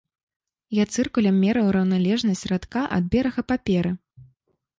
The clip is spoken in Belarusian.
Я цыркулем мераў раўналежнасць радка ад берага паперы.